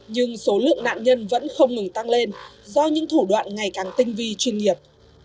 nhưng số lượng nạn nhân vẫn không ngừng tăng lên do những thủ đoạn ngày càng tinh vi chuyên nghiệp